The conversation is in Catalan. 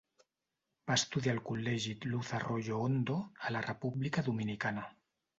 Va estudiar al col·legi Luz Arroyo Hondo, a la República Dominicana.